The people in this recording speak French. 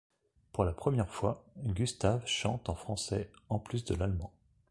Pour la première fois, Gustav chante en français en plus de l'allemand.